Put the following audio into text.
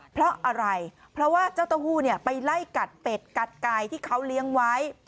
เพราะอะไรเพราะว่าเจ้าเต้าหู้ไปไล่กัดเป็ดกัดไก่ที่เขาเลี้ยงไว้